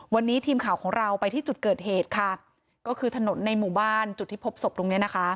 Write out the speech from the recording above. วันนี้ทีมข่าวของเราไปที่จุดเกิดเหตุค่ะก็คือถนนในหมู่บ้านจุดที่พบศพตรงเนี้ยนะคะ